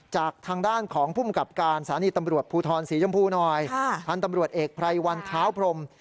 จากทางด้านของภูมิกับการสถานีตำรวจภูทรศรีชมพูหน่อยพันธุ์ตำรวจเอกไพรวันเท้าพรม